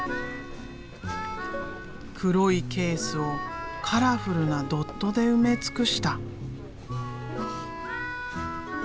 黒いケースをカラフルなドットで埋め尽くした。